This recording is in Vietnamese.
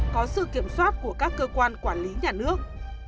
có sự kiểm soát của các cơ quan quản lý nhà nước